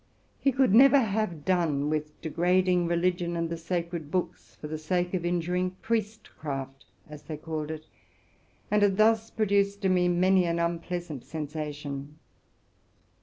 He could never cease degrading religion and the sacred books, for the sake of injuring priestcraft,' as they called it, and had thus produced in me many an unpleasant sensation.